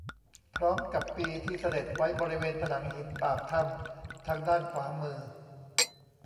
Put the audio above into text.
พร้อมกับปีที่เสด็จไว้บริเวณผนังหินปากถ้ำทางด้านขวามือ